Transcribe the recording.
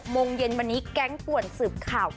โมงเย็นวันนี้แก๊งป่วนสืบข่าว